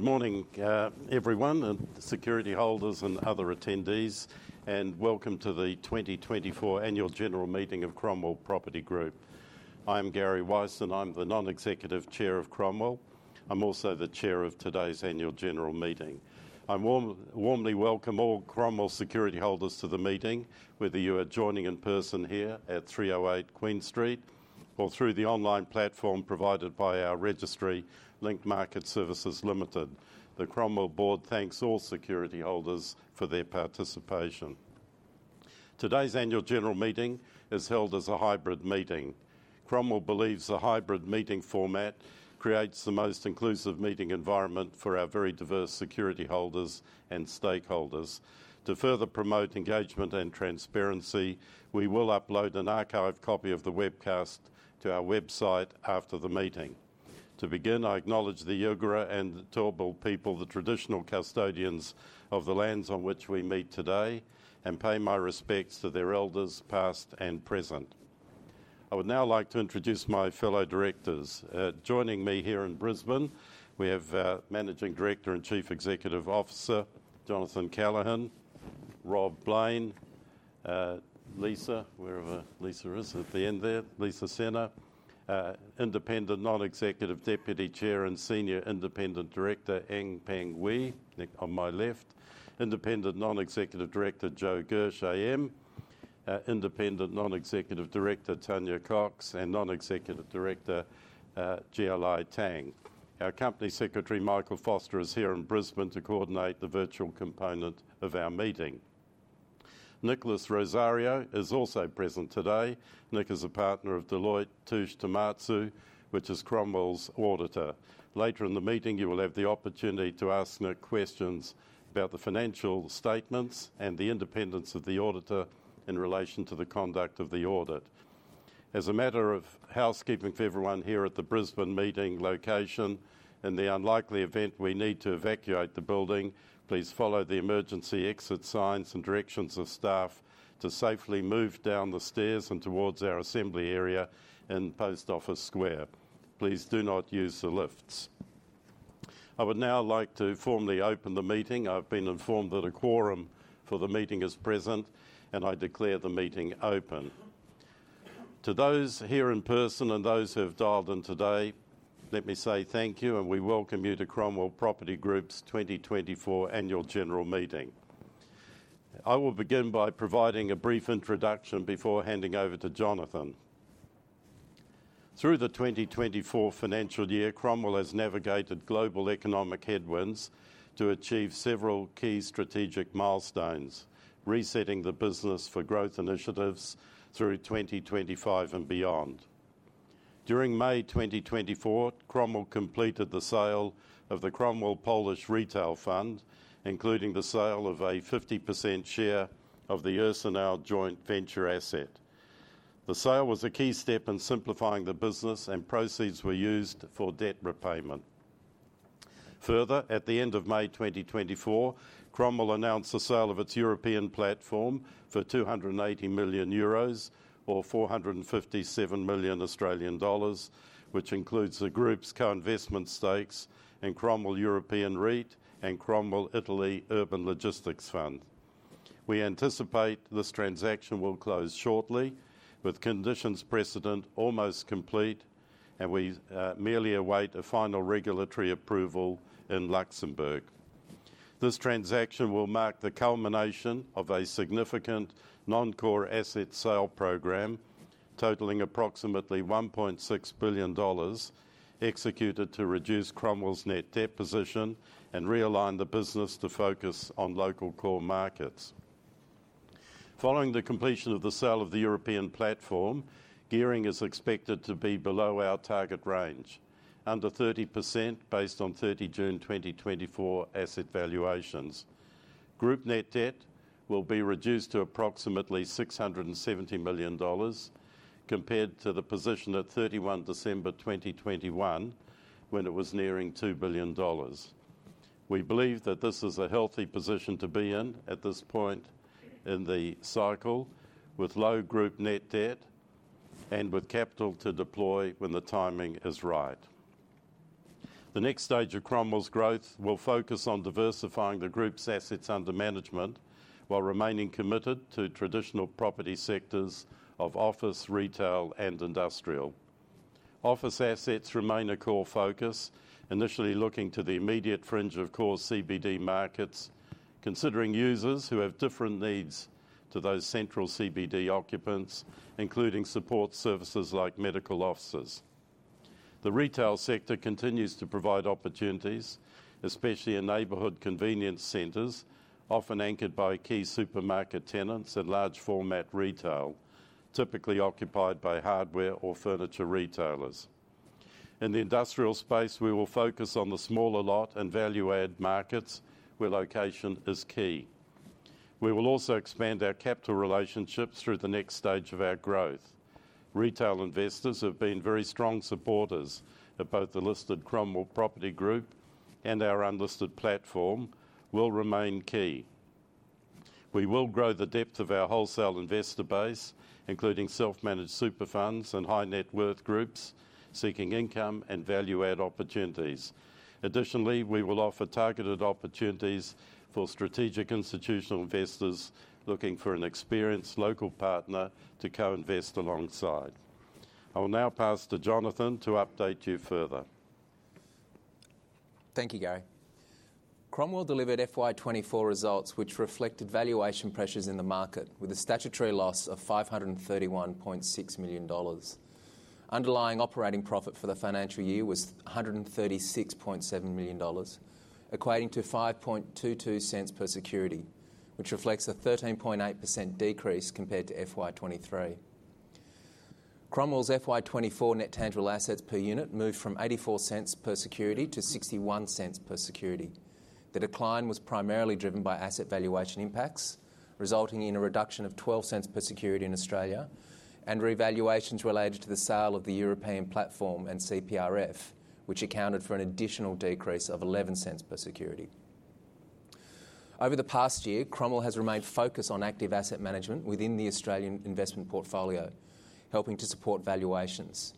Good morning, everyone, and security holders and other attendees, and welcome to the 2024 Annual General Meeting of Cromwell Property Group. I am Gary Weiss, and I'm the Non-Executive Chair of Cromwell. I'm also the Chair of today's Annual General Meeting. I warmly welcome all Cromwell security holders to the meeting, whether you are joining in person here at 308 Queen Street or through the online platform provided by our registry, Link Market Services Limited. The Cromwell Board thanks all security holders for their participation. Today's Annual General Meeting is held as a hybrid meeting. Cromwell believes a hybrid meeting format creates the most inclusive meeting environment for our very diverse security holders and stakeholders. To further promote engagement and transparency, we will upload an archived copy of the webcast to our website after the meeting. To begin, I acknowledge the Yugara and the Turrbal people, the traditional custodians of the lands on which we meet today, and pay my respects to their elders, past and present. I would now like to introduce my fellow directors. Joining me here in Brisbane, we have Managing Director and Chief Executive Officer Jonathan Callaghan, Rob Blain, Lisa, wherever Lisa is at the end there, Lisa Scenna, Independent Non-Executive Deputy Chair and Senior Independent Director Eng Peng Ooi on my left, Independent Non-Executive Director Joe Gersh AM, Independent Non-Executive Director Tanya Cox, and Non-Executive Director Jialei Tang. Our Company Secretary Michael Foster is here in Brisbane to coordinate the virtual component of our meeting. Nicholas Rosario is also present today. Nick is a partner of Deloitte Touche Tohmatsu, which is Cromwell's auditor. Later in the meeting, you will have the opportunity to ask Nick questions about the financial statements and the independence of the auditor in relation to the conduct of the audit. As a matter of housekeeping for everyone here at the Brisbane meeting location, in the unlikely event we need to evacuate the building, please follow the emergency exit signs and directions of staff to safely move down the stairs and towards our assembly area in Post Office Square. Please do not use the lifts. I would now like to formally open the meeting. I've been informed that a quorum for the meeting is present, and I declare the meeting open. To those here in person and those who have dialed in today, let me say thank you, and we welcome you to Cromwell Property Group's 2024 Annual General Meeting. I will begin by providing a brief introduction before handing over to Jonathan. Through the 2024 financial year, Cromwell has navigated global economic headwinds to achieve several key strategic milestones, resetting the business for growth initiatives through 2025 and beyond. During May 2024, Cromwell completed the sale of the Cromwell Polish Retail Fund, including the sale of a 50% share of the Ursynów joint venture asset. The sale was a key step in simplifying the business, and proceeds were used for debt repayment. Further, at the end of May 2024, Cromwell announced the sale of its European platform for 280 million euros or 457 million Australian dollars, which includes the Group's co-investment stakes in Cromwell European REIT and Cromwell Italy Urban Logistics Fund. We anticipate this transaction will close shortly, with conditions precedent almost complete, and we merely await a final regulatory approval in Luxembourg. This transaction will mark the culmination of a significant non-core asset sale program totaling approximately 1.6 billion dollars, executed to reduce Cromwell's net debt position and realign the business to focus on local core markets. Following the completion of the sale of the European platform, gearing is expected to be below our target range, under 30% based on 30 June 2024 asset valuations. Group net debt will be reduced to approximately 670 million dollars, compared to the position at 31 December 2021, when it was nearing 2 billion dollars. We believe that this is a healthy position to be in at this point in the cycle, with low Group net debt and with capital to deploy when the timing is right. The next stage of Cromwell's growth will focus on diversifying the Group's assets under management while remaining committed to traditional property sectors of office, retail, and industrial. Office assets remain a core focus, initially looking to the immediate fringe of core CBD markets, considering users who have different needs to those central CBD occupants, including support services like medical offices. The retail sector continues to provide opportunities, especially in neighborhood convenience centers, often anchored by key supermarket tenants and large-format retail, typically occupied by hardware or furniture retailers. In the industrial space, we will focus on the smaller lot and value-add markets, where location is key. We will also expand our capital relationships through the next stage of our growth. Retail investors have been very strong supporters of both the listed Cromwell Property Group and our unlisted platform, will remain key. We will grow the depth of our wholesale investor base, including self-managed super funds and high-net-worth groups seeking income and value-add opportunities. Additionally, we will offer targeted opportunities for strategic institutional investors looking for an experienced local partner to co-invest alongside. I will now pass to Jonathan to update you further. Thank you, Gary. Cromwell delivered FY24 results, which reflected valuation pressures in the market, with a statutory loss of 531.6 million dollars. Underlying operating profit for the financial year was 136.7 million dollars, equating to 5.22 per security, which reflects a 13.8% decrease compared to FY23. Cromwell's FY24 net tangible assets per unit moved from 0.84 per security to 0.61 per security. The decline was primarily driven by asset valuation impacts, resulting in a reduction of 0.12 per security in Australia, and revaluations related to the sale of the European platform and CPRF, which accounted for an additional decrease of 0.11 per security. Over the past year, Cromwell has remained focused on active asset management within the Australian investment portfolio, helping to support valuations.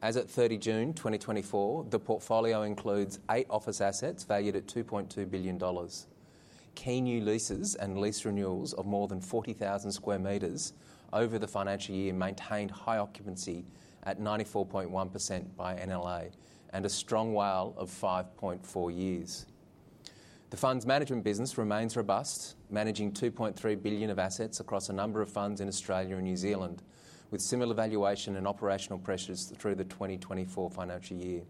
As of 30 June 2024, the portfolio includes eight office assets valued at 2.2 billion dollars. Key new leases and lease renewals of more than 40,000 square meters over the financial year maintained high occupancy at 94.1% by NLA and a strong WALE of 5.4 years. The fund's management business remains robust, managing 2.3 billion of assets across a number of funds in Australia and New Zealand, with similar valuation and operational pressures through the 2024 financial year.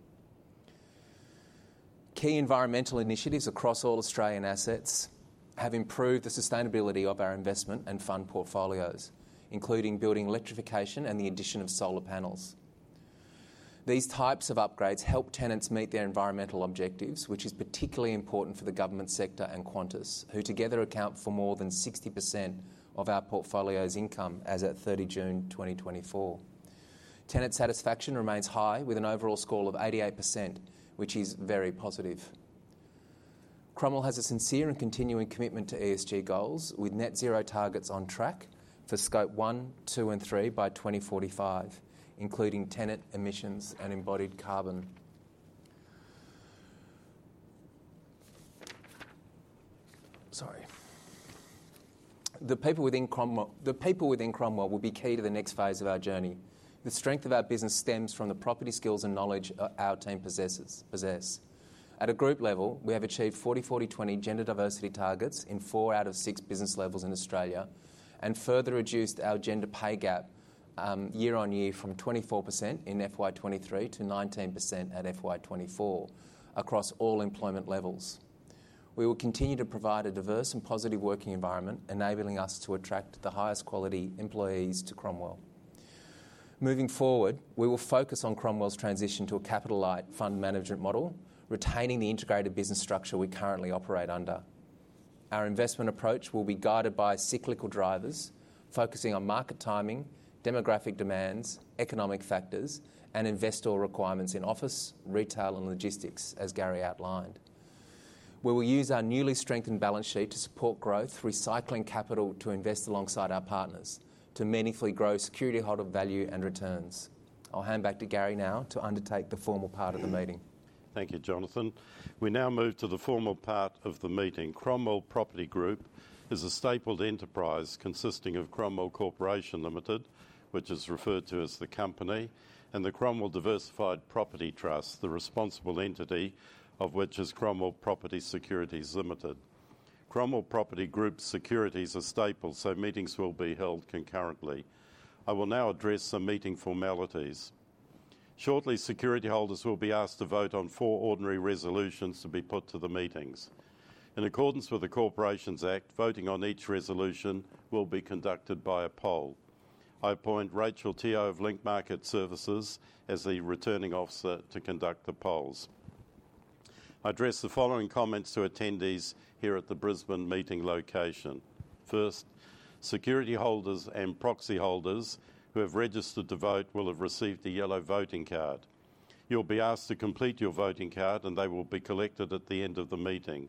Key environmental initiatives across all Australian assets have improved the sustainability of our investment and fund portfolios, including building electrification and the addition of solar panels. These types of upgrades help tenants meet their environmental objectives, which is particularly important for the government sector and Qantas, who together account for more than 60% of our portfolio's income as of 30 June 2024. Tenant satisfaction remains high, with an overall score of 88%, which is very positive. Cromwell has a sincere and continuing commitment to ESG goals, with net zero targets on track for Scope 1, 2, and 3 by 2045, including tenant emissions and embodied carbon. Sorry. The people within Cromwell will be key to the next phase of our journey. The strength of our business stems from the property skills and knowledge our team possesses. At a Group level, we have achieved 40-40-20 gender diversity targets in four out of six business levels in Australia and further reduced our gender pay gap year on year from 24% in FY23 to 19% at FY24 across all employment levels. We will continue to provide a diverse and positive working environment, enabling us to attract the highest quality employees to Cromwell. Moving forward, we will focus on Cromwell's transition to a capital-light fund management model, retaining the integrated business structure we currently operate under. Our investment approach will be guided by cyclical drivers, focusing on market timing, demographic demands, economic factors, and investor requirements in office, retail, and logistics, as Gary outlined. We will use our newly strengthened balance sheet to support growth, recycling capital to invest alongside our partners to meaningfully grow security holder value and returns. I'll hand back to Gary now to undertake the formal part of the meeting. Thank you, Jonathan. We now move to the formal part of the meeting. Cromwell Property Group is a stapled enterprise consisting of Cromwell Corporation Limited, which is referred to as The Company, and the Cromwell Diversified Property Trust, the responsible entity of which is Cromwell Property Securities Limited. Cromwell Property Group's securities are stapled, so meetings will be held concurrently. I will now address some meeting formalities. Shortly, security holders will be asked to vote on four ordinary resolutions to be put to the meetings. In accordance with the Corporations Act, voting on each resolution will be conducted by a poll. I appoint Rachel Teo of Link Market Services as the returning officer to conduct the polls. I address the following comments to attendees here at the Brisbane meeting location. First, security holders and proxy holders who have registered to vote will have received a yellow voting card. You'll be asked to complete your voting card, and they will be collected at the end of the meeting.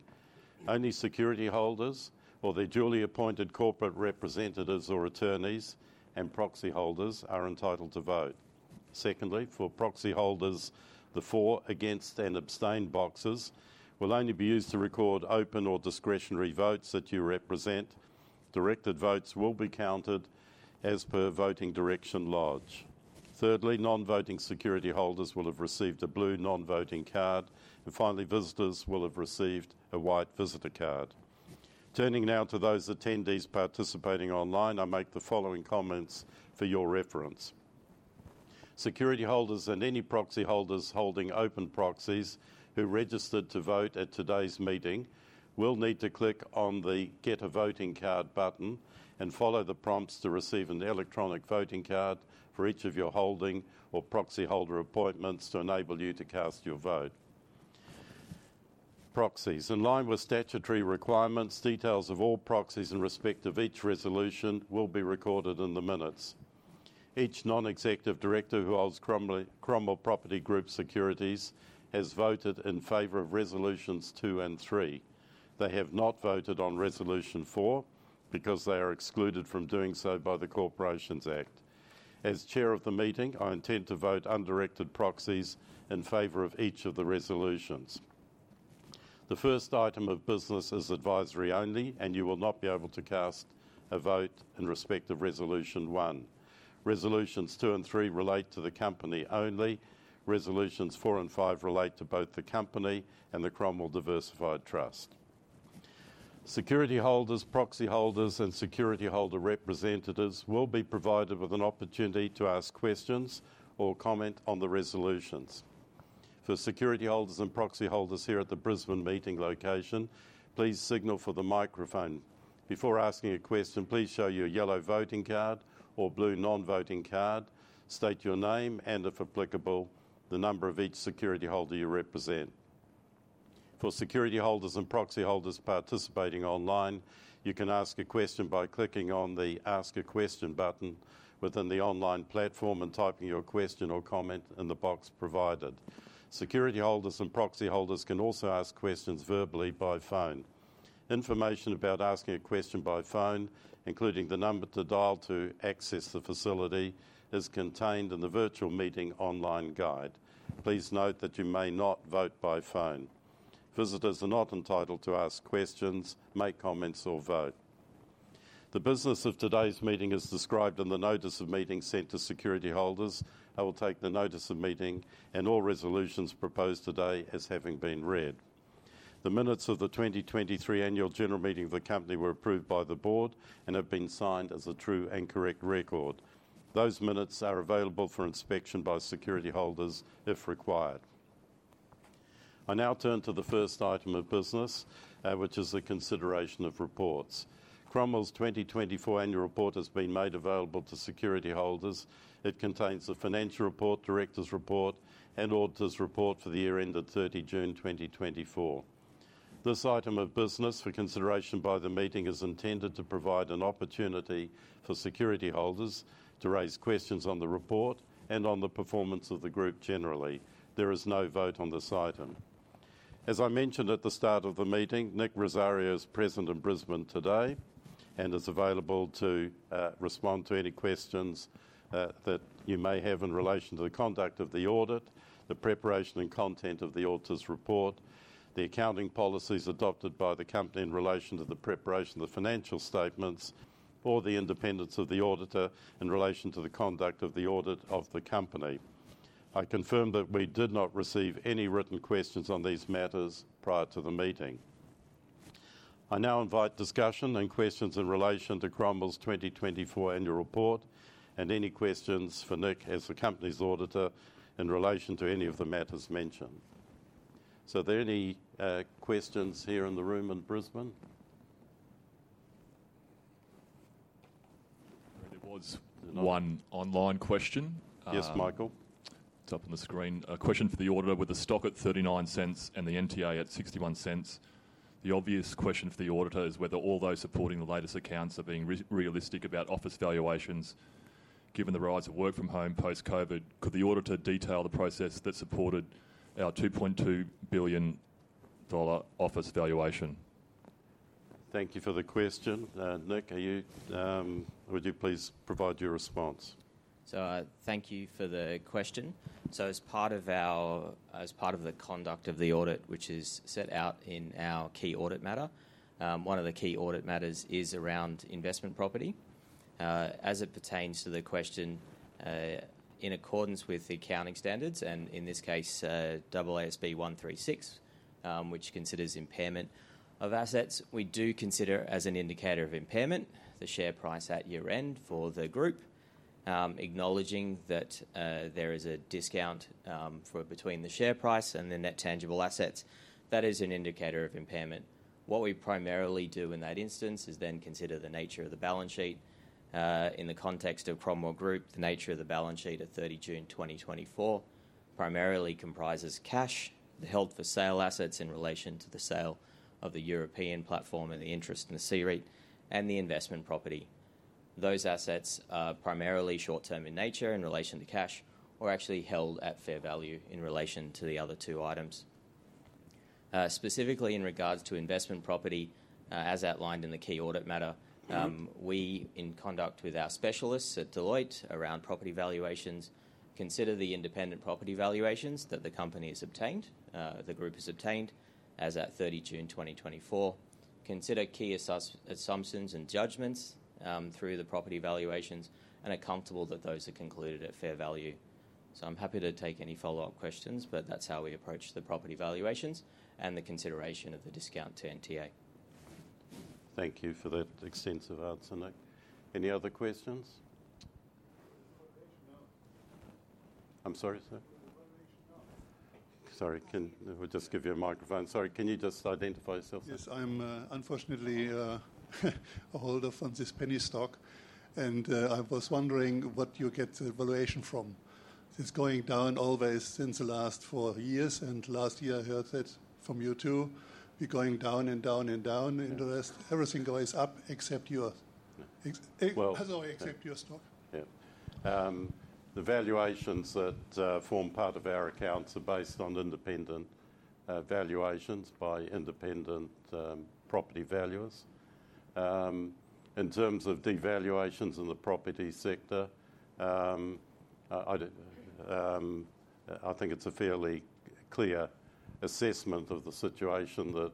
Only security holders or their duly appointed corporate representatives or attorneys and proxy holders are entitled to vote. Secondly, for proxy holders, the for, against, and abstained boxes will only be used to record open or discretionary votes that you represent. Directed votes will be counted as per voting directions, poll. Thirdly, non-voting security holders will have received a blue non-voting card, and finally, visitors will have received a white visitor card. Turning now to those attendees participating online, I make the following comments for your reference. Security holders and any proxy holders holding open proxies who registered to vote at today's meeting will need to click on the Get a Voting Card button and follow the prompts to receive an electronic voting card for each of your holding or proxy holder appointments to enable you to cast your vote. Proxies: In line with statutory requirements, details of all proxies in respect of each resolution will be recorded in the minutes. Each non-executive director who holds Cromwell Property Group securities has voted in favor of resolutions two and three. They have not voted on resolution four because they are excluded from doing so by the Corporations Act. As Chair of the meeting, I intend to vote undirected proxies in favor of each of the resolutions. The first item of business is advisory only, and you will not be able to cast a vote in respect of resolution one. Resolutions two and three relate to The Company only. Resolutions four and five relate to both The Company and the Cromwell Diversified Trust. Security holders, proxy holders, and security holder representatives will be provided with an opportunity to ask questions or comment on the resolutions. For security holders and proxy holders here at the Brisbane meeting location, please signal for the microphone. Before asking a question, please show your yellow voting card or blue non-voting card, state your name and, if applicable, the number of each security holder you represent. For security holders and proxy holders participating online, you can ask a question by clicking on the Ask a Question button within the online platform and typing your question or comment in the box provided. Security holders and proxy holders can also ask questions verbally by phone. Information about asking a question by phone, including the number to dial to access the facility, is contained in the virtual meeting online guide. Please note that you may not vote by phone. Visitors are not entitled to ask questions, make comments, or vote. The business of today's meeting as described in the notice of meeting sent to security holders. I will take the notice of meeting and all resolutions proposed today as having been read. The minutes of the 2023 Annual General Meeting of the Company were approved by the Board and have been signed as a true and correct record. Those minutes are available for inspection by security holders if required. I now turn to the first item of business, which is the consideration of reports. Cromwell's 2024 annual report has been made available to security holders. It contains the financial report, director's report, and auditor's report for the year ended 30 June 2024. This item of business for consideration by the meeting is intended to provide an opportunity for security holders to raise questions on the report and on the performance of the Group generally. There is no vote on this item. As I mentioned at the start of the meeting, Nick Rosario is present in Brisbane today and is available to respond to any questions that you may have in relation to the conduct of the audit, the preparation and content of the auditor's report, the accounting policies adopted by The Company in relation to the preparation of the financial statements, or the independence of the auditor in relation to the conduct of the audit of The Company. I confirm that we did not receive any written questions on these matters prior to the meeting. I now invite discussion and questions in relation to Cromwell's 2024 annual report and any questions for Nick as the Company's auditor in relation to any of the matters mentioned, so are there any questions here in the room in Brisbane? There was one online question. Yes, Michael. It's up on the screen. A question for the auditor with the stock at 0.39 and the NTA at 0.61. The obvious question for the auditor is whether all those supporting the latest accounts are being realistic about office valuations. Given the rise of work from home post-COVID, could the auditor detail the process that supported our 2.2 billion dollar office valuation? Thank you for the question. Nick, would you please provide your response? Thank you for the question. As part of the conduct of the audit, which is set out in our key audit matter, one of the key audit matters is around investment property. As it pertains to the question, in accordance with the accounting standards, and in this case, AASB 136, which considers impairment of assets, we do consider as an indicator of impairment the share price at year end for the Group, acknowledging that there is a discount between the share price and the net tangible assets. That is an indicator of impairment. What we primarily do in that instance is then consider the nature of the balance sheet. In the context of Cromwell Property Group, the nature of the balance sheet at 30 June 2024 primarily comprises cash held for sale assets in relation to the sale of the European platform and the interest in the CREIT and the investment property. Those assets are primarily short-term in nature in relation to cash or actually held at fair value in relation to the other two items. Specifically in regards to investment property, as outlined in the key audit matter, we, in conjunction with our specialists at Deloitte around property valuations, consider the independent property valuations that The Company has obtained, the Group has obtained as at 30 June 2024, consider key assumptions and judgments through the property valuations, and are comfortable that those are concluded at fair value. So I'm happy to take any follow-up questions, but that's how we approach the property valuations and the consideration of the discount to NTA. Thank you for that extensive answer, Nick. Any other questions? Is the valuation up? I'm sorry, sir? Is the valuation up? Sorry. Can we just give you a microphone? Sorry. Can you just identify yourself? Yes. I'm unfortunately a holder of funds ASX penny stock, and I was wondering what you get the valuation from. It's going down always since the last four years, and last year I heard that from you too. We're going down and down and down, and everything goes up except yours. Well. As always, accept your stock. Yeah. The valuations that form part of our accounts are based on independent valuations by independent property valuers. In terms of devaluations in the property sector, I think it's a fairly clear assessment of the situation that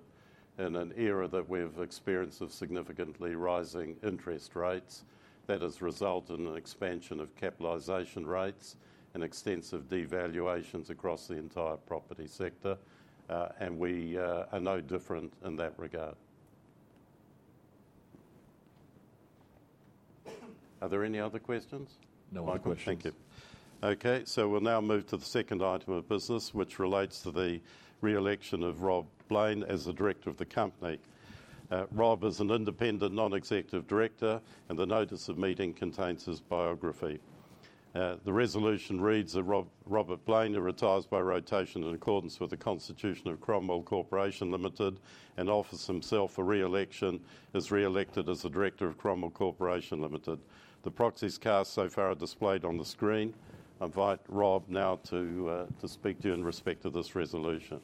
in an era that we have experienced of significantly rising interest rates that has resulted in an expansion of capitalization rates and extensive devaluations across the entire property sector, and we are no different in that regard. Are there any other questions? No other questions. Thank you. Okay, so we'll now move to the second item of business, which relates to the re-election of Rob Blain as the director of the Company. Rob is an independent non-executive director, and the notice of meeting contains his biography. The resolution reads that Robert Blain retires by rotation in accordance with the constitution of Cromwell Corporation Limited and offers himself a re-election as re-elected as the director of Cromwell Corporation Limited. The proxies cast so far are displayed on the screen. I invite Rob now to speak to you in respect of this resolution.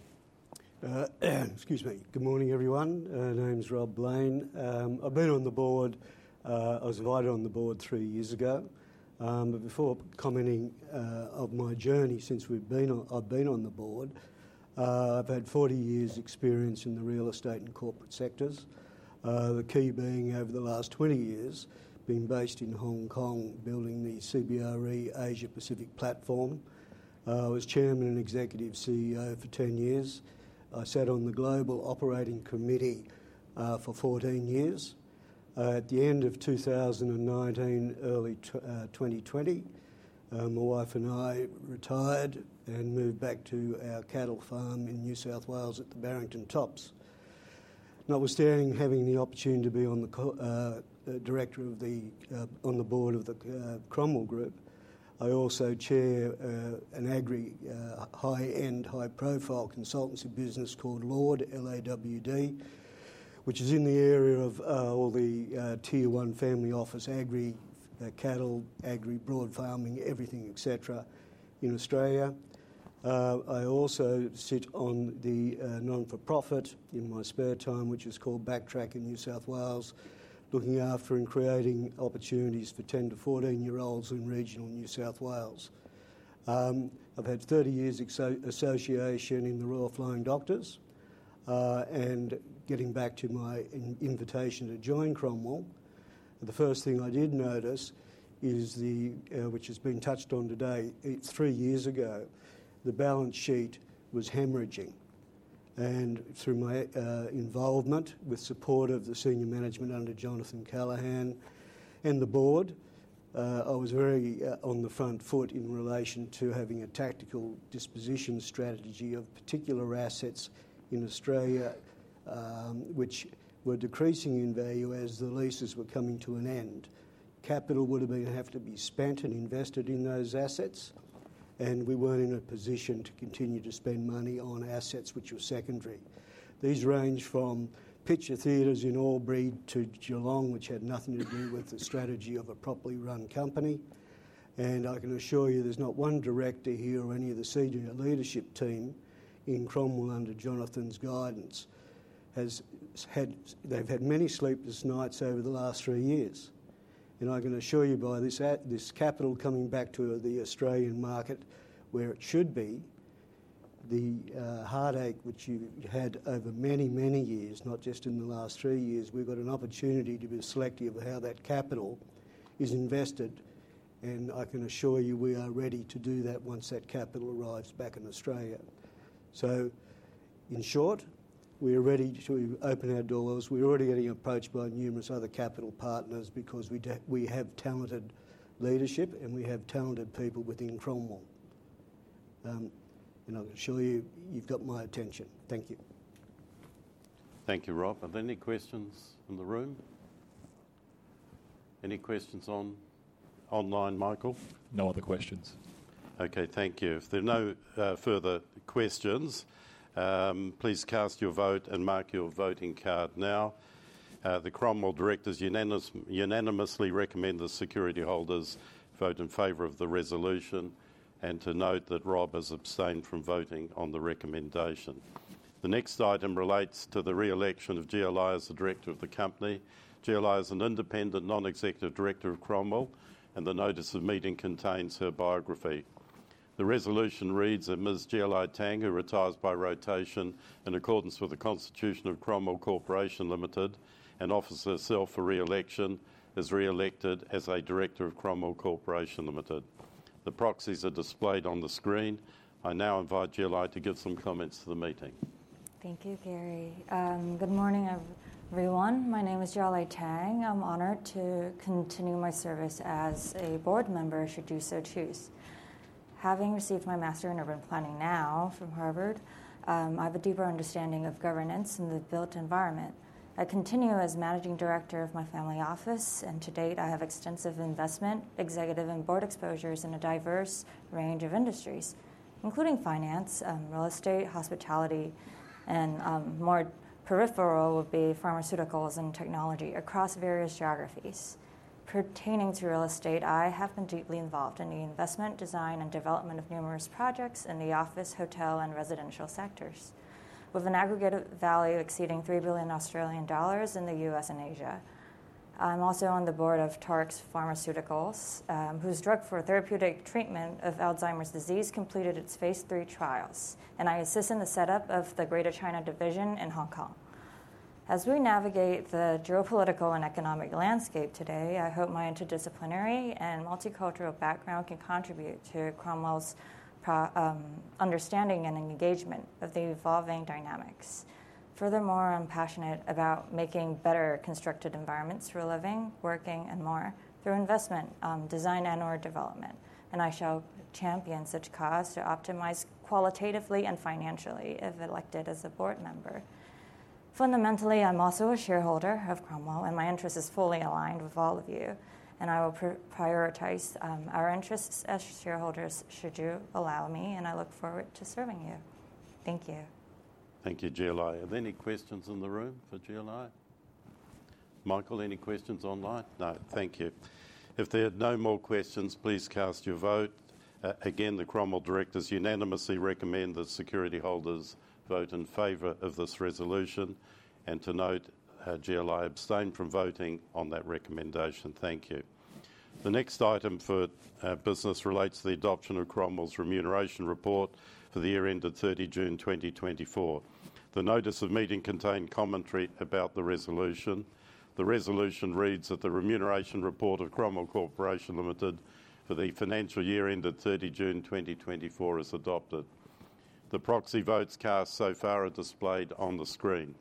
Excuse me. Good morning, everyone. My name's Rob Blain. I've been on the board. I was invited on the board three years ago. But before commenting on my journey since I've been on, I've been on the board. I've had 40 years' experience in the real estate and corporate sectors, the key being over the last 20 years being based in Hong Kong building the CBRE Asia Pacific platform. I was chairman and executive CEO for 10 years. I sat on the global operating committee for 14 years. At the end of 2019, early 2020, my wife and I retired and moved back to our cattle farm in New South Wales at the Barrington Tops. Now, I was having the opportunity to be a director on the board of the Cromwell Group. I also chair an agri high-end, high-profile consultancy business called LAWD, which is in the area of all the tier one family office, agri cattle, agri broad farming, everything, et cetera, in Australia. I also sit on the not-for-profit in my spare time, which is called BackTrack in New South Wales, looking after and creating opportunities for 10- to 14-year-olds in regional New South Wales. I've had 30 years' association in the Royal Flying Doctor Service, and getting back to my invitation to join Cromwell, the first thing I did notice is the, which has been touched on today, three years ago, the balance sheet was hemorrhaging. Through my involvement with support of the senior management under Jonathan Callaghan and the board, I was very on the front foot in relation to having a tactical disposition strategy of particular assets in Australia, which were decreasing in value as the leases were coming to an end. Capital would have had to be spent and invested in those assets, and we weren't in a position to continue to spend money on assets, which were secondary. These range from picture theaters in Albury to Geelong, which had nothing to do with the strategy of a properly run company. I can assure you there's not one director here or any of the senior leadership team in Cromwell under Jonathan's guidance has had; they've had many sleepless nights over the last three years. I can assure you, by this capital coming back to the Australian market where it should be, the heartache which you had over many, many years, not just in the last three years, we've got an opportunity to be selective of how that capital is invested. I can assure you we are ready to do that once that capital arrives back in Australia. In short, we are ready to open our doors. We're already getting approached by numerous other capital partners because we have talented leadership and we have talented people within Cromwell. I can assure you you've got my attention. Thank you. Thank you, Rob. Are there any questions in the room? Any questions online, Michael? No other questions. Okay. Thank you. If there are no further questions, please cast your vote and mark your voting card now. The Cromwell directors unanimously recommend the security holders vote in favor of the resolution and to note that Rob has abstained from voting on the recommendation. The next item relates to the re-election of Jialei as the director of the Company. Jialei is an independent non-executive director of Cromwell, and the notice of meeting contains her biography. The resolution reads that Ms. Jialei Tang, retired by rotation in accordance with the constitution of Cromwell Corporation Limited and offers herself a re-election as re-elected as a director of Cromwell Corporation Limited. The proxies are displayed on the screen. I now invite Jialei to give some comments to the meeting. Thank you, Gary. Good morning, everyone. My name is Jialei Tang. I'm honored to continue my service as a board member, should you so choose. Having received my master's in urban planning now from Harvard, I have a deeper understanding of governance and the built environment. I continue as managing director of my family office, and to date, I have extensive investment, executive, and board exposures in a diverse range of industries, including finance, real estate, hospitality, and more peripheral would be pharmaceuticals and technology across various geographies. Pertaining to real estate, I have been deeply involved in the investment, design, and development of numerous projects in the office, hotel, and residential sectors, with an aggregated value exceeding $3 billion in the U.S., and Asia. I'm also on the board of TauRx Pharmaceuticals, whose drug for therapeutic treatment of Alzheimer's disease completed its phase three trials, and I assist in the setup of the Greater China division in Hong Kong. As we navigate the geopolitical and economic landscape today, I hope my interdisciplinary and multicultural background can contribute to Cromwell's understanding and engagement of the evolving dynamics. Furthermore, I'm passionate about making better constructed environments for living, working, and more through investment, design, and/or development, and I shall champion such cause to optimize qualitatively and financially if elected as a board member. Fundamentally, I'm also a shareholder of Cromwell, and my interest is fully aligned with all of you, and I will prioritize our interests as shareholders should you allow me, and I look forward to serving you. Thank you. Thank you, Jialei. Are there any questions in the room for Jialei? Michael, any questions online? No. Thank you. If there are no more questions, please cast your vote. Again, the Cromwell directors unanimously recommend that security holders vote in favor of this resolution. And to note, Jialei abstained from voting on that recommendation. Thank you. The next item for business relates to the adoption of Cromwell's remuneration report for the year ended 30 June 2024. The notice of meeting contained commentary about the resolution. The resolution reads that the remuneration report of Cromwell Corporation Limited for the financial year ended 30 June 2024 is adopted. The proxy votes cast so far are displayed on the screen.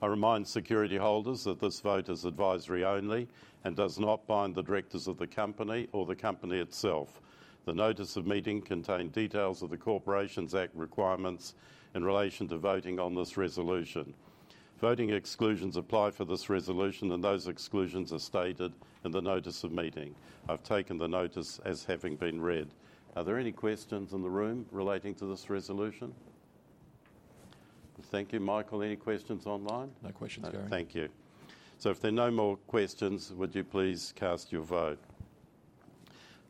I remind security holders that this vote is advisory only and does not bind the directors of The Company or The Company itself. The notice of meeting contained details of the Corporations Act requirements in relation to voting on this resolution. Voting exclusions apply for this resolution, and those exclusions are stated in the notice of meeting. I've taken the notice as having been read. Are there any questions in the room relating to this resolution? Thank you. Michael, any questions online? No questions, Gary. Thank you. So if there are no more questions, would you please cast your vote?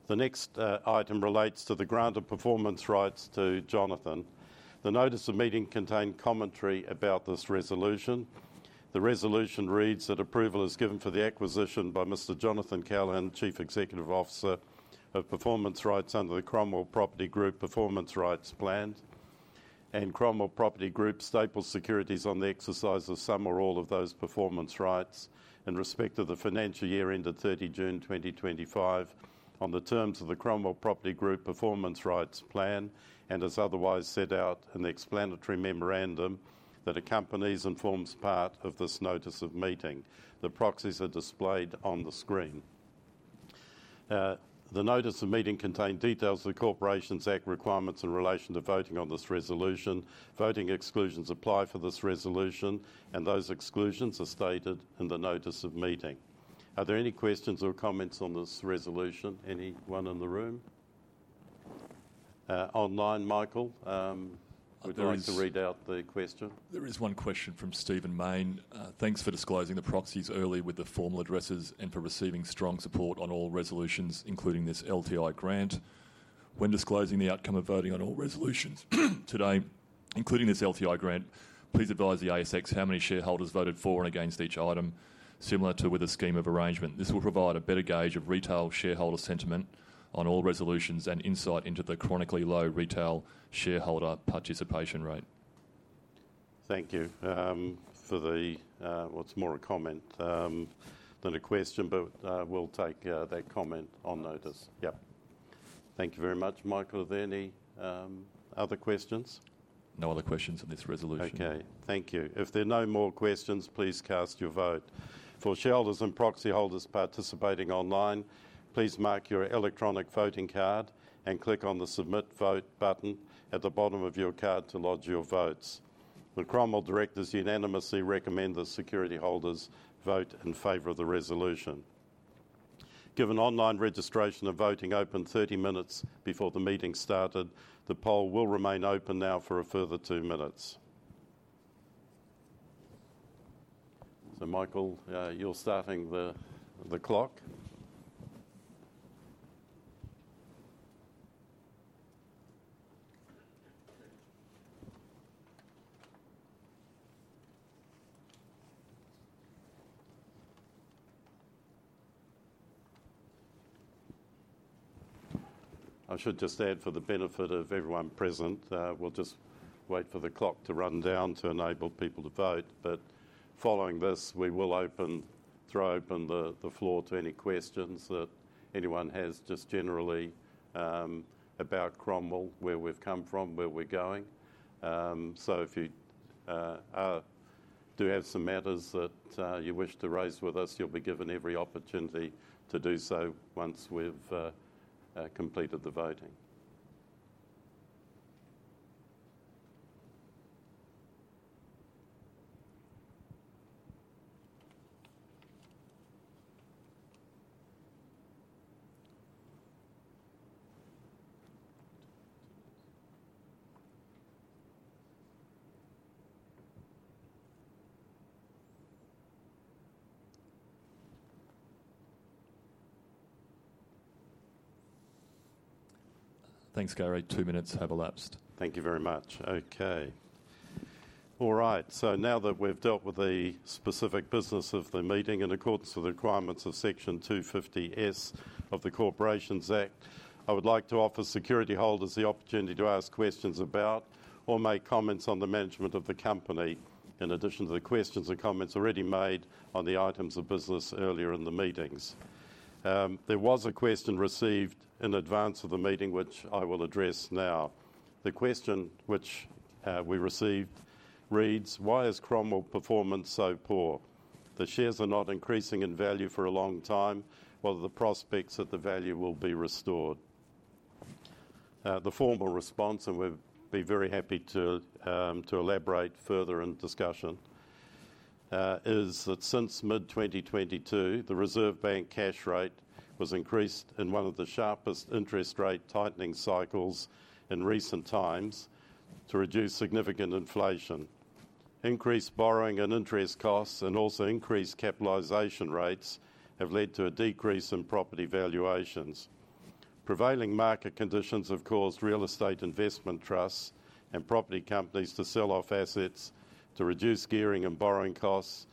The next item relates to the grant of performance rights to Jonathan. The notice of meeting contained commentary about this resolution. The resolution reads that approval is given for the acquisition by Mr. Jonathan Callaghan, Chief Executive Officer of Performance Rights under the Cromwell Property Group Performance Rights Plan, and Cromwell Property Group stapled securities on the exercise of some or all of those performance rights in respect of the financial year ended 30 June 2025 on the terms of the Cromwell Property Group Performance Rights Plan and as otherwise set out in the explanatory memorandum that accompanies and forms part of this notice of meeting. The proxies are displayed on the screen. The notice of meeting contained details of the Corporations Act requirements in relation to voting on this resolution. Voting exclusions apply for this resolution, and those exclusions are stated in the notice of meeting. Are there any questions or comments on this resolution? Anyone in the room? Online, Michael? I'm sorry. Who wants to read out the question? There is one question from Stephen Mayne. Thanks for disclosing the proxies early with the formal addresses and for receiving strong support on all resolutions, including this LTI grant. When disclosing the outcome of voting on all resolutions today, including this LTI grant, please advise the ASX how many shareholders voted for and against each item, similar to with a scheme of arrangement. This will provide a better gauge of retail shareholder sentiment on all resolutions and insight into the chronically low retail shareholder participation rate. Thank you. That's more a comment than a question, but we'll take that comment on notice. Yep. Thank you very much. Michael, are there any other questions? No other questions on this resolution. Okay. Thank you. If there are no more questions, please cast your vote. For shareholders and proxy holders participating online, please mark your electronic voting card and click on the Submit Vote button at the bottom of your card to lodge your votes. The Cromwell directors unanimously recommend that security holders vote in favor of the resolution. Given online registration and voting open 30 minutes before the meeting started, the poll will remain open now for a further two minutes. So Michael, you're starting the clock. I should just add, for the benefit of everyone present, we'll just wait for the clock to run down to enable people to vote. But following this, we will throw open the floor to any questions that anyone has just generally about Cromwell, where we've come from, where we're going. So if you do have some matters that you wish to raise with us, you'll be given every opportunity to do so once we've completed the voting. Thanks, Gary. Two minutes have elapsed. Thank you very much. Okay. All right. So now that we've dealt with the specific business of the meeting in accordance with the requirements of section 250S of the Corporations Act, I would like to offer security holders the opportunity to ask questions about or make comments on the management of the Company, in addition to the questions and comments already made on the items of business earlier in the meetings. There was a question received in advance of the meeting, which I will address now. The question which we received reads, "Why is Cromwell performance so poor? The shares are not increasing in value for a long time, whether the prospects that the value will be restored." The formal response, and we'll be very happy to elaborate further in discussion, is that since mid-2022, the Reserve Bank cash rate was increased in one of the sharpest interest rate tightening cycles in recent times to reduce significant inflation. Increased borrowing and interest costs and also increased capitalization rates have led to a decrease in property valuations. Prevailing market conditions have caused real estate investment trusts and property companies to sell off assets to reduce gearing and borrowing costs,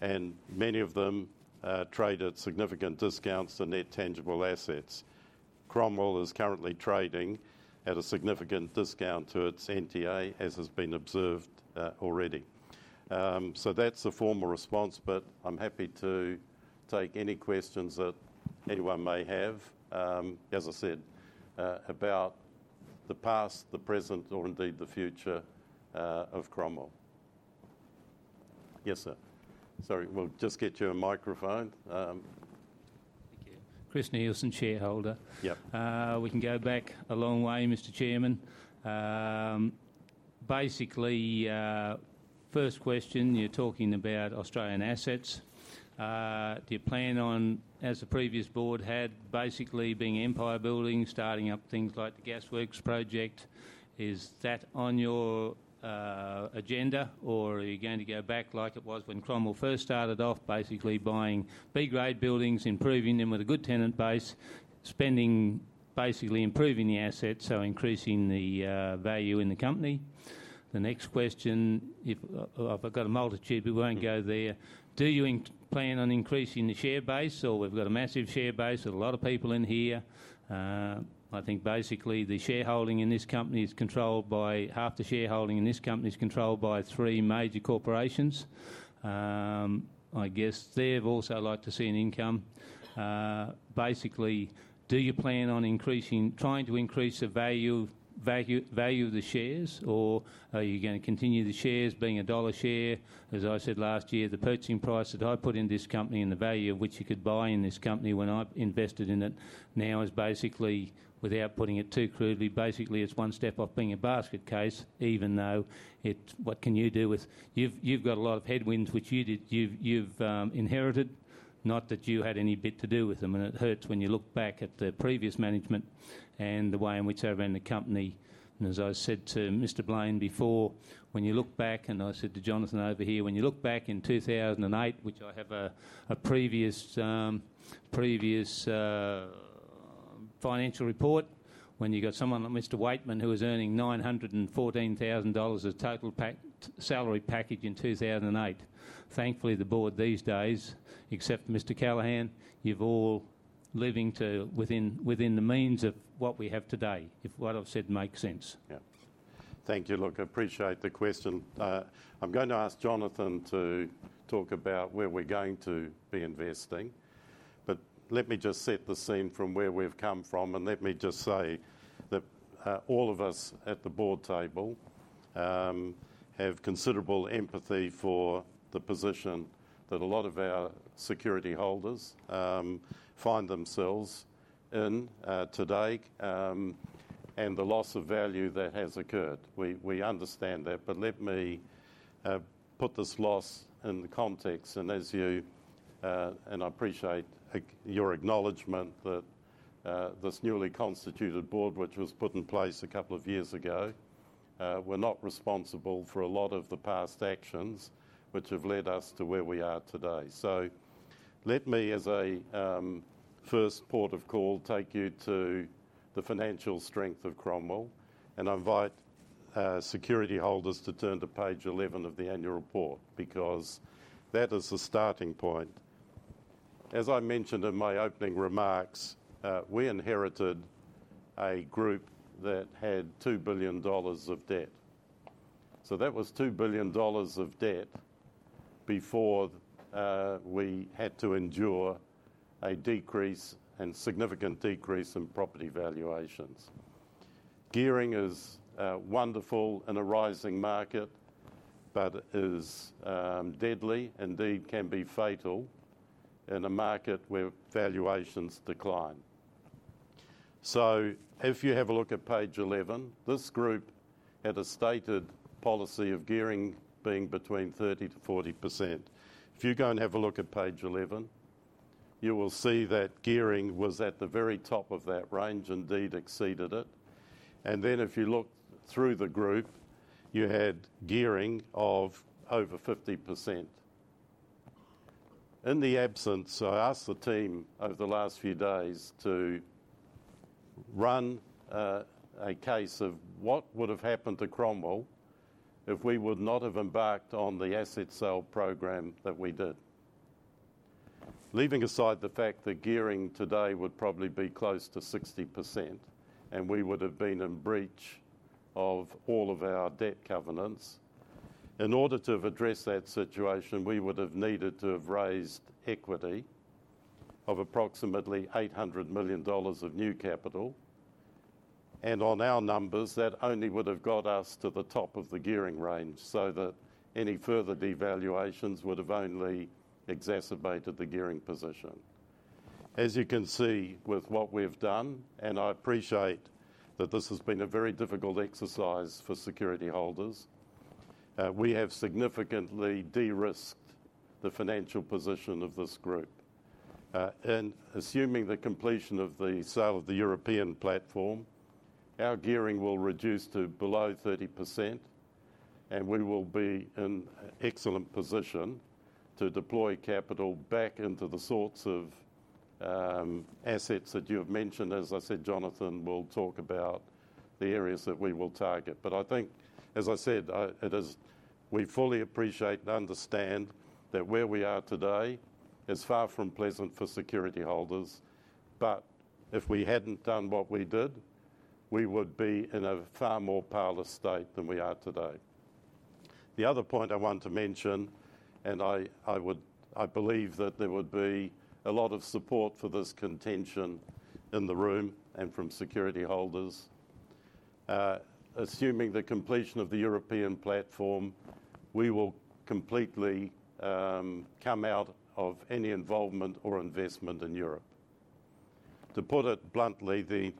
and many of them traded significant discounts to net tangible assets. Cromwell is currently trading at a significant discount to its NTA, as has been observed already. So that's the formal response, but I'm happy to take any questions that anyone may have, as I said, about the past, the present, or indeed the future of Cromwell. Yes, sir. Sorry. We'll just get you a microphone. Thank you. Chris Neilson, shareholder. Yep. We can go back a long way, Mr. Chairman. Basically, first question, you're talking about Australian assets. Do you plan on, as the previous board had, basically being empire buildings, starting up things like the Gasworks project? Is that on your agenda, or are you going to go back like it was when Cromwell first started off basically buying B-grade buildings, improving them with a good tenant base, spending basically improving the assets, so increasing the value in the company? The next question, I've got a multitude, but we won't go there. Do you plan on increasing the share base, or we've got a massive share base with a lot of people in here? I think basically half the shareholding in this company is controlled by three major corporations. I guess they've also liked to see an income. Basically, do you plan on increasing, trying to increase the value of the shares, or are you going to continue the shares being a dollar share? As I said last year, the purchasing price that I put in this company and the value of which you could buy in this company when I invested in it now is basically, without putting it too crudely, basically it's one step off being a basket case, even though it's what can you do with you've got a lot of headwinds which you've inherited, not that you had any bit to do with them. And it hurts when you look back at the previous management and the way in which they ran the company. And as I said to Mr. Blain, before, when you look back, and I said to Jonathan over here, when you look back in 2008, which I have a previous financial report, when you got someone like Mr. Weightman who was earning 914,000 dollars of total salary package in 2008. Thankfully, the board these days, except Mr. Callaghan, you're all living within the means of what we have today, if what I've said makes sense. Yep. Thank you. Look, I appreciate the question. I'm going to ask Jonathan to talk about where we're going to be investing. But let me just set the scene from where we've come from, and let me just say that all of us at the board table have considerable empathy for the position that a lot of our security holders find themselves in today and the loss of value that has occurred. We understand that, but let me put this loss in the context. And as you and I appreciate your acknowledgement that this newly constituted board, which was put in place a couple of years ago, we're not responsible for a lot of the past actions which have led us to where we are today. So let me, as a first port of call, take you to the financial strength of Cromwell and invite security holders to turn to page 11 of the annual report because that is the starting point. As I mentioned in my opening remarks, we inherited a group that had 2 billion dollars of debt. So that was 2 billion dollars of debt before we had to endure a decrease and significant decrease in property valuations. Gearing is wonderful in a rising market, but is deadly, indeed can be fatal in a market where valuations decline. So if you have a look at page 11, this group had a stated policy of gearing being between 30%-40%. If you go and have a look at page 11, you will see that gearing was at the very top of that range, indeed exceeded it. And then if you look through the group, you had gearing of over 50%. In the absence, I asked the team over the last few days to run a case of what would have happened to Cromwell if we would not have embarked on the asset sale program that we did. Leaving aside the fact that gearing today would probably be close to 60% and we would have been in breach of all of our debt covenants, in order to address that situation, we would have needed to have raised equity of approximately 800 million dollars of new capital. And on our numbers, that only would have got us to the top of the gearing range so that any further devaluations would have only exacerbated the gearing position. As you can see with what we've done, and I appreciate that this has been a very difficult exercise for security holders, we have significantly de-risked the financial position of this group. In assuming the completion of the sale of the European platform, our gearing will reduce to below 30%, and we will be in excellent position to deploy capital back into the sorts of assets that you have mentioned. As I said, Jonathan will talk about the areas that we will target. But I think, as I said, we fully appreciate and understand that where we are today is far from pleasant for security holders. But if we hadn't done what we did, we would be in a far more parlous state than we are today. The other point I want to mention, and I believe that there would be a lot of support for this contention in the room and from security holders, assuming the completion of the European platform, we will completely come out of any involvement or investment in Europe. To put it bluntly, the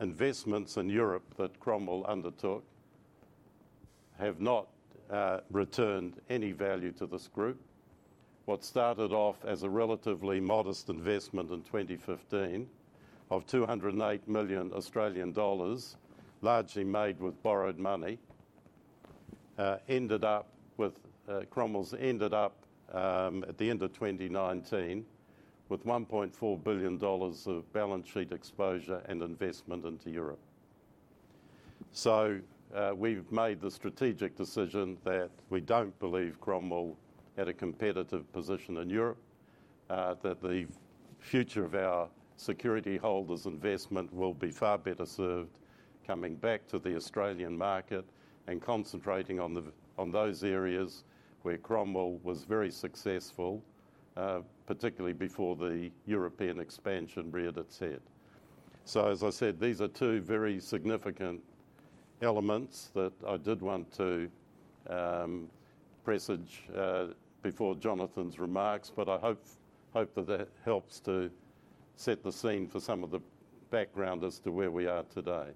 investments in Europe that Cromwell undertook have not returned any value to this group. What started off as a relatively modest investment in 2015 of 208 million Australian dollars largely made with borrowed money ended up with Cromwell ended up at the end of 2019 with 1.4 billion dollars of balance sheet exposure and investment into Europe. So we've made the strategic decision that we don't believe Cromwell had a competitive position in Europe, that the future of our security holders' investment will be far better served coming back to the Australian market and concentrating on those areas where Cromwell was very successful, particularly before the European expansion reared its head. So as I said, these are two very significant elements that I did want to presage before Jonathan's remarks, but I hope that that helps to set the scene for some of the background as to where we are today.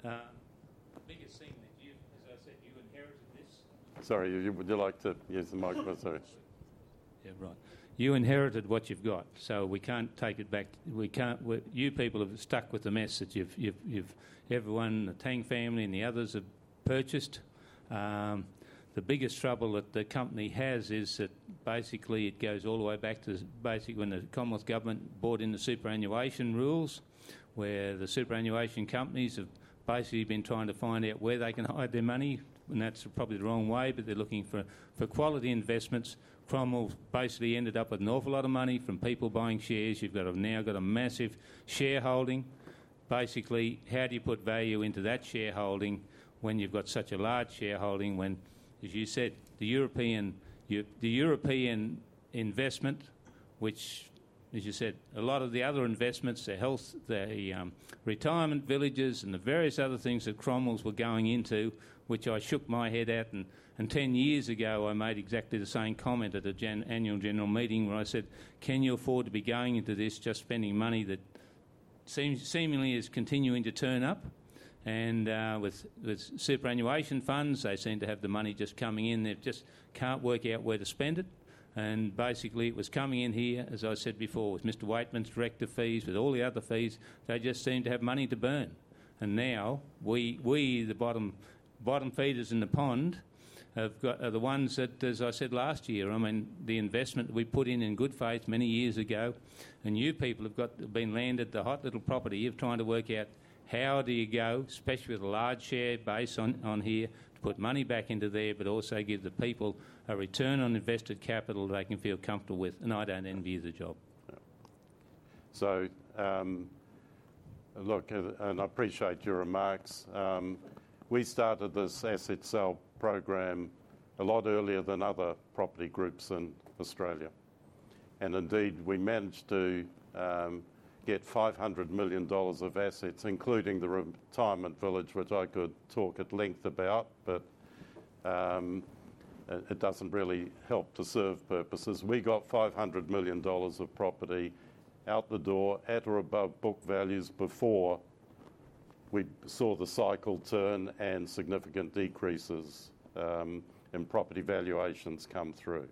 Mr. Chairman, the biggest thing that you, as I said, you inherited this. Sorry, would you like to use the microphone? Sorry. Yeah, right. You inherited what you've got. So we can't take it back. You people have stuck with the message. Everyone, the Tang family and the others have purchased. The biggest trouble that the company has is that basically it goes all the way back to basically when the Commonwealth Government brought in the superannuation rules, where the superannuation companies have basically been trying to find out where they can hide their money, and that's probably the wrong way, but they're looking for quality investments. Cromwell basically ended up with an awful lot of money from people buying shares. You've now got a massive shareholding. Basically, how do you put value into that shareholding when you've got such a large shareholding when, as you said, the European investment, which, as you said, a lot of the other investments, the health, the retirement villages, and the various other things that Cromwell's were going into, which I shook my head at. And 10 years ago, I made exactly the same comment at the Annual General Meeting where I said, "Can you afford to be going into this just spending money that seemingly is continuing to turn up?" And with superannuation funds, they seem to have the money just coming in. They just can't work out where to spend it. And basically, it was coming in here, as I said before, with Mr. Weightman's director fees, with all the other fees. They just seem to have money to burn. And now we, the bottom feeders in the pond, have got the ones that, as I said last year, I mean, the investment we put in in good faith many years ago, and you people have been landed the hot little property of trying to work out how do you go, especially with a large share base on here, to put money back into there, but also give the people a return on invested capital they can feel comfortable with. And I don't envy you the job. Yep. So look, and I appreciate your remarks. We started this asset sale program a lot earlier than other property groups in Australia. And indeed, we managed to get 500 million dollars of assets, including the retirement village, which I could talk at length about, but it doesn't really help to serve purposes. We got 500 million dollars of property out the door at or above book values before we saw the cycle turn and significant decreases in property valuations come through.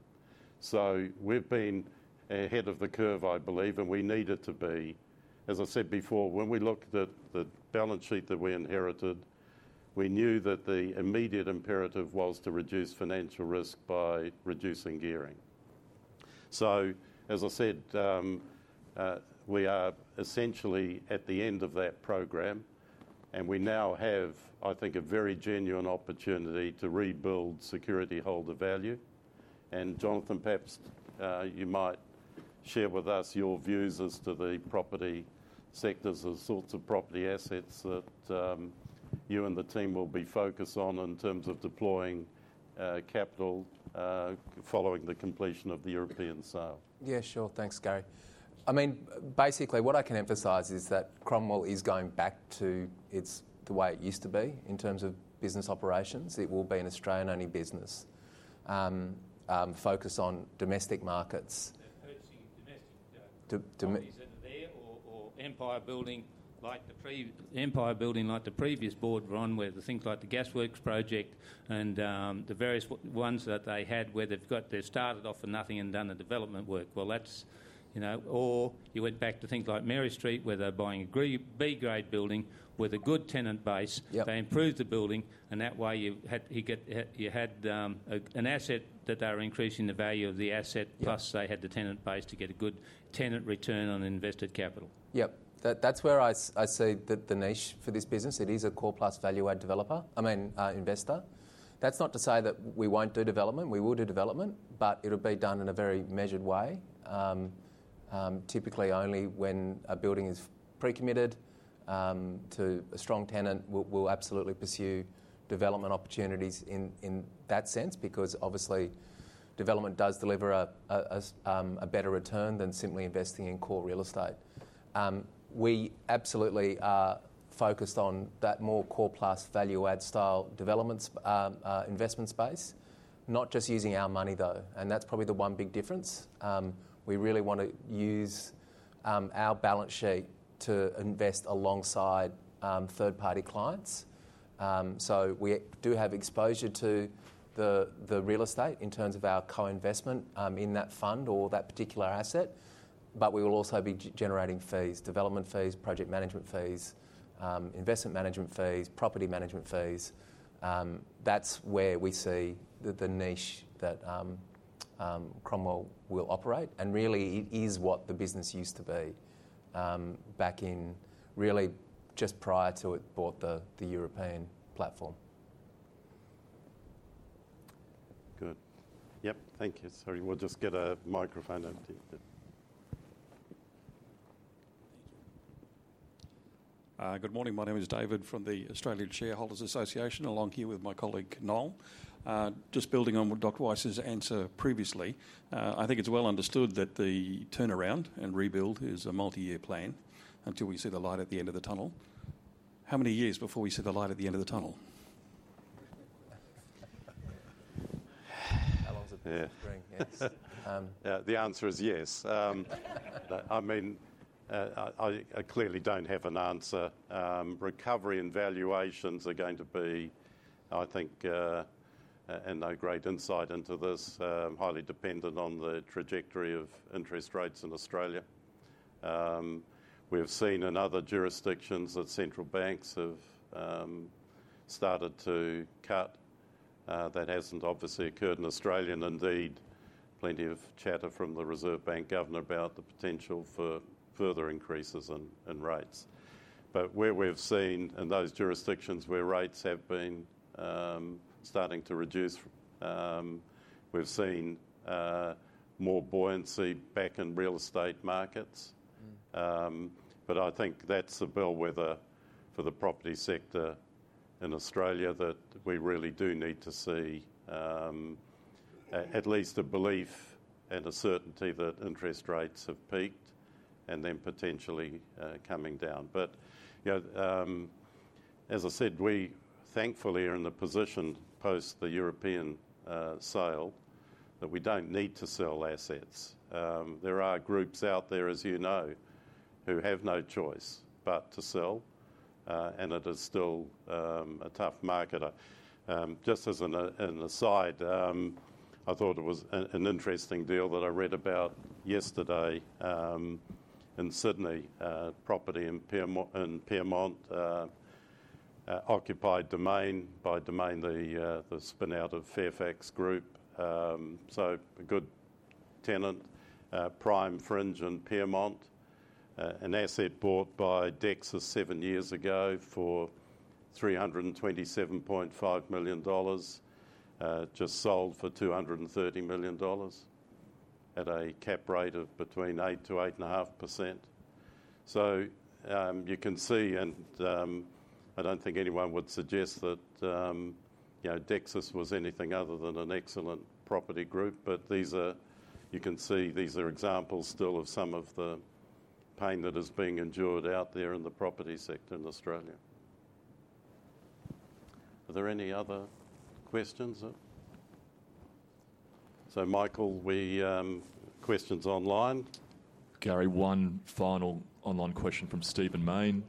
So we've been ahead of the curve, I believe, and we needed to be. As I said before, when we looked at the balance sheet that we inherited, we knew that the immediate imperative was to reduce financial risk by reducing gearing. So as I said, we are essentially at the end of that program, and we now have, I think, a very genuine opportunity to rebuild security holder value. Jonathan, perhaps you might share with us your views as to the property sectors and sorts of property assets that you and the team will be focused on in terms of deploying capital following the completion of the European sale? Yeah, sure. Thanks, Gary. I mean, basically what I can emphasize is that Cromwell is going back to the way it used to be in terms of business operations. It will be an Australian-only business, focused on domestic markets. That's hurting domestic companies over there or empire building like the previous board run where the things like the Gasworks project and the various ones that they had where they've got they started off with nothing and done the development work. Well, that's or you went back to things like Mary Street, where they're buying a B-grade building with a good tenant base. They improved the building, and that way you had an asset that they were increasing the value of the asset, plus they had the tenant base to get a good tenant return on invested capital. Yep. That's where I see the niche for this business. It is a core plus value-add developer, I mean, investor. That's not to say that we won't do development. We will do development, but it'll be done in a very measured way. Typically, only when a building is pre-committed to a strong tenant, we'll absolutely pursue development opportunities in that sense because obviously development does deliver a better return than simply investing in core real estate. We absolutely are focused on that more core plus value-add style developments, investment space, not just using our money, though. And that's probably the one big difference. We really want to use our balance sheet to invest alongside third-party clients. So we do have exposure to the real estate in terms of our co-investment in that fund or that particular asset, but we will also be generating fees, development fees, project management fees, investment management fees, property management fees. That's where we see the niche that Cromwell will operate. And really, it is what the business used to be back in, really just prior to it bought the European platform. Good. Yep. Thank you. Sorry, we'll just get a microphone empty. Good morning. My name is David from the Australian Shareholders' Association, along with my colleague Noel. Just building on what Dr. Weiss's answer previously, I think it's well understood that the turnaround and rebuild is a multi-year plan until we see the light at the end of the tunnel. How many years before we see the light at the end of the tunnel? How long is it? Yeah. The answer is yes. I mean, I clearly don't have an answer. Recovery and valuations are going to be, I think, and no great insight into this, highly dependent on the trajectory of interest rates in Australia. We've seen in other jurisdictions that central banks have started to cut. That hasn't obviously occurred in Australia. And indeed, plenty of chatter from the Reserve Bank governor about the potential for further increases in rates. But where we've seen in those jurisdictions where rates have been starting to reduce, we've seen more buoyancy back in real estate markets. But I think that's the bellwether for the property sector in Australia that we really do need to see at least a belief and a certainty that interest rates have peaked and then potentially coming down. But as I said, we thankfully are in the position post the European sale that we don't need to sell assets. There are groups out there, as you know, who have no choice but to sell, and it is still a tough market. Just as an aside, I thought it was an interesting deal that I read about yesterday in Sydney, property in Pyrmont, occupied by Domain, the spin-out of Fairfax Media. So a good tenant, prime fringe in Pyrmont, an asset bought by Dexus seven years ago for 327.5 million dollars, just sold for 230 million dollars at a cap rate of between 8%-8.5%. So you can see, and I don't think anyone would suggest that Dexus was anything other than an excellent property group, but you can see these are examples still of some of the pain that is being endured out there in the property sector in Australia. Are there any other questions? So Michael, we questions online? Gary, one final online question from Stephen Mayne.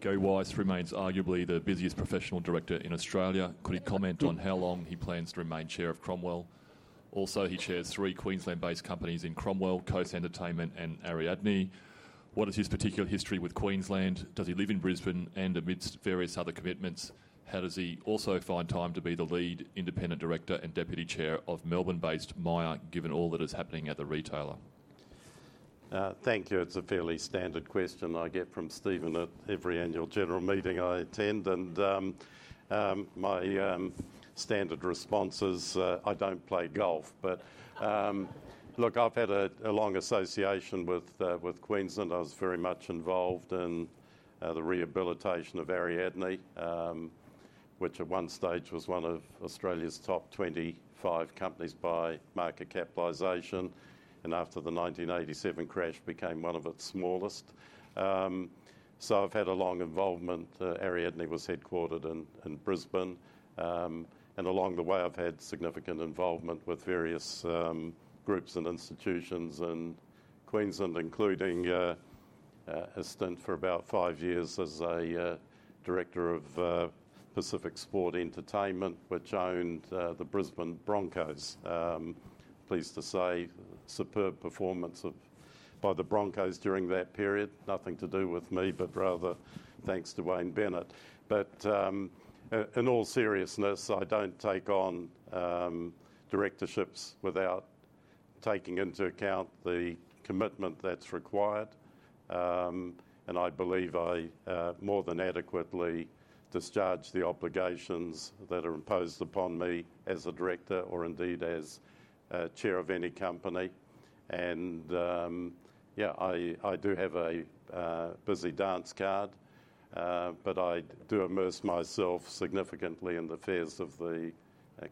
Gary Weiss remains arguably the busiest professional director in Australia. Could he comment on how long he plans to remain chair of Cromwell? Also, he chairs three Queensland-based companies in Cromwell, Coast Entertainment, and Ariadne. What is his particular history with Queensland? Does he live in Brisbane and amidst various other commitments? How does he also find time to be the lead independent director and deputy chair of Melbourne-based Myer, given all that is happening at the retailer? Thank you. It's a fairly standard question I get from Stephen at every annual general meeting I attend. And my standard response is, I don't play golf. But look, I've had a long association with Queensland. I was very much involved in the rehabilitation of Ariadne, which at one stage was one of Australia's top 25 companies by market capitalization. And after the 1987 crash, became one of its smallest. So I've had a long involvement. Ariadne was headquartered in Brisbane. And along the way, I've had significant involvement with various groups and institutions in Queensland, including a stint for about five years as a director of Pacific Sports Entertainment, which owned the Brisbane Broncos. Pleased to say, superb performance by the Broncos during that period. Nothing to do with me, but rather thanks to Wayne Bennett. But in all seriousness, I don't take on directorships without taking into account the commitment that's required. And I believe I more than adequately discharge the obligations that are imposed upon me as a director or indeed as chair of any company. And yeah, I do have a busy dance card, but I do immerse myself significantly in the affairs of the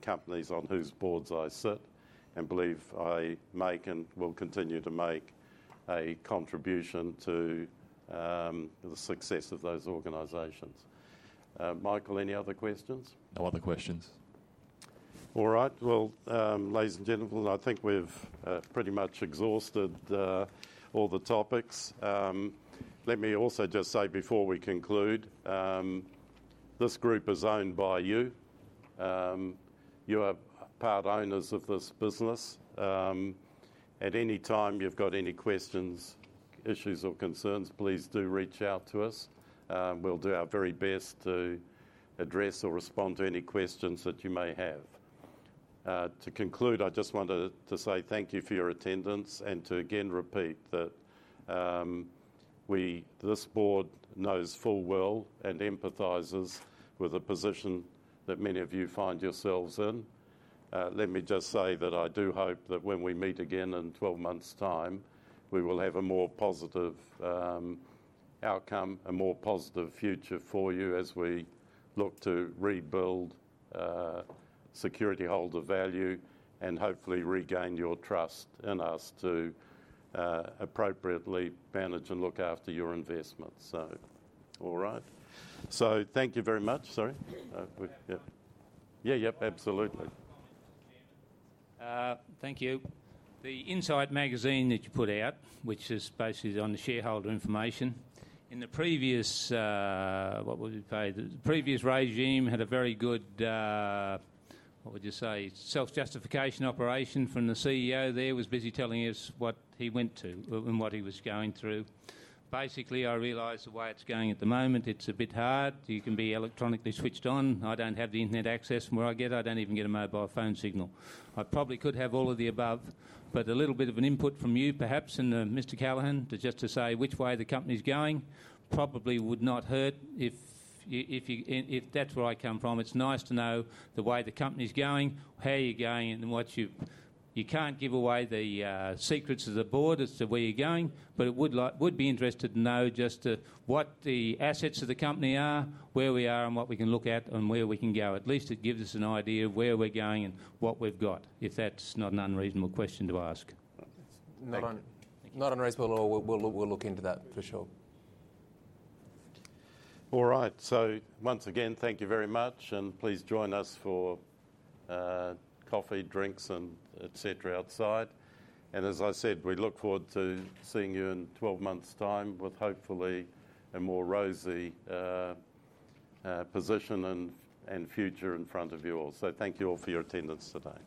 companies on whose boards I sit and believe I make and will continue to make a contribution to the success of those organizations. Michael, any other questions? No other questions. All right. Well, ladies and gentlemen, I think we've pretty much exhausted all the topics. Let me also just say before we conclude, this group is owned by you. You are part owners of this business. At any time you've got any questions, issues, or concerns, please do reach out to us. We'll do our very best to address or respond to any questions that you may have. To conclude, I just wanted to say thank you for your attendance and to again repeat that this board knows full well and empathises with the position that many of you find yourselves in. Let me just say that I do hope that when we meet again in 12 months' time, we will have a more positive outcome, a more positive future for you as we look to rebuild security holder value and hopefully regain your trust in us to appropriately manage and look after your investments. All right. So thank you very much. Sorry. Yeah, yep, absolutely. Thank you. The Insight magazine that you put out, which is basically on the shareholder information, in the previous what was it? The previous regime had a very good, what would you say, self-justification operation from the CEO there was busy telling us what he went to and what he was going through. Basically, I realised the way it's going at the moment, it's a bit hard. You can be electronically switched on. I don't have the internet access from where I get. I don't even get a mobile phone signal. I probably could have all of the above, but a little bit of an input from you, perhaps, and Mr. Callaghan, just to say which way the company's going probably would not hurt if that's where I come from. It's nice to know the way the company's going, how you're going, and what you can't give away the secrets of the board as to where you're going, but it would be interesting to know just what the assets of the company are, where we are, and what we can look at and where we can go. At least it gives us an idea of where we're going and what we've got, if that's not an unreasonable question to ask. Not unreasonable. We'll look into that for sure. All right. So once again, thank you very much. And please join us for coffee, drinks, and et cetera outside. And as I said, we look forward to seeing you in 12 months' time with hopefully a more rosy position and future in front of you all. So thank you all for your attendance today.